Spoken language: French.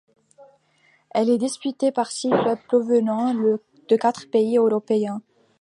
Elle est disputée par six clubs provenant de quatre pays européens.